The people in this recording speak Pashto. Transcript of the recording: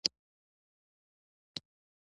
لمسی د کور دروازه پرانیزي.